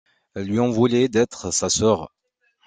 Elle lui en voulait d’être sa sœur.